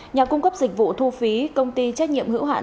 nhà cung cấp dịch vụ thu phí công ty trách nhiệm hữu hạn